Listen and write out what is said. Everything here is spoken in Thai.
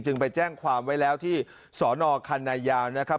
ไปแจ้งความไว้แล้วที่สนคันนายาวนะครับ